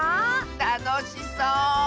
たのしそう！